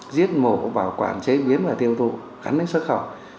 giết mổ bảo quản chế biến và tiêu thụ khẳng định xuất khẩu